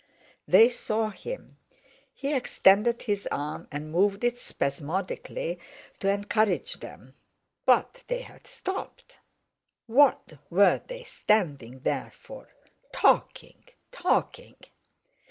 They saw him. He extended his arm, and moved it spasmodically to encourage them. But they had stopped. What were they standing there for, talking—talking?